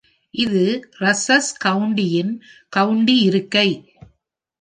இது ரஸ்ஸல் கவுண்டியின் கவுண்டி இருக்கை.